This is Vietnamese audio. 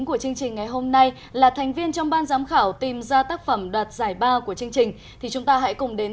cái chương trình ngày hội áo dài này thì nó là một cái chương trình rất là nhân văn